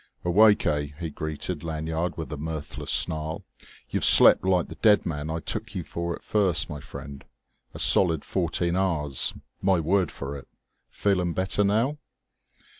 "Awake, eh?" he greeted Lanyard with a mirthless snarl. "You've slept like the dead man I took you for at first, my friend a solid fourteen hours, my word for it! Feeling better now?"